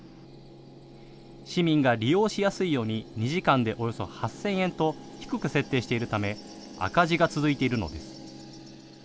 市民が利用しやすいように２時間でおよそ８０００円と低く設定しているため赤字が続いているのです。